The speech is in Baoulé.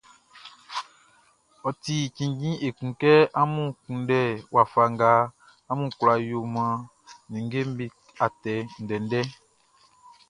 Ɔ ti cinnjin ekun kɛ amun kunndɛ wafa nga amun kwla yo amun ninngeʼm be atɛ ndɛndɛʼn.